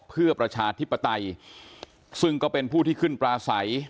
เพื่อประชาธิปไตยซึ่งก็เป็นผู้ที่ขึ้นปลาใส